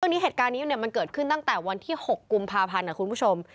เหตุการณ์นี้เหตุการณ์นี้มันเกิดขึ้นตั้งแต่วันที่๖กุมภาพันธ์นะคุณผู้ชม